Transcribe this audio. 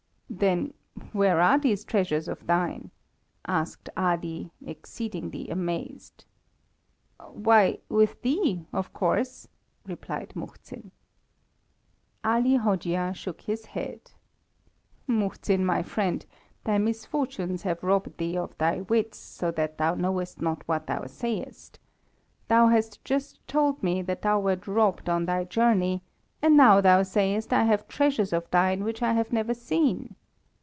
"Then, where are these treasures of thine?" asked Ali, exceedingly amazed. "Why, with thee, of course," replied Muhzin. Ali Hojia shook his head. "Muhzin, my friend, thy misfortunes have robbed thee of thy wits, so that thou knowest not what thou sayest. Thou hast just told me that thou wert robbed on thy journey, and now thou sayest I have treasures of thine which I have never seen.